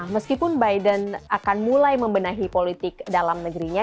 meskipun biden akan mulai membenahi politik dalam negerinya